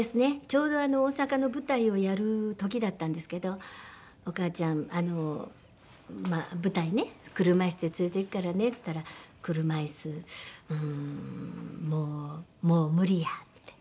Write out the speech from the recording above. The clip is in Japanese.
ちょうど大阪の舞台をやる時だったんですけど「お母ちゃん舞台にね車椅子で連れていくからね」って言ったら「車椅子うーんもう無理や」って。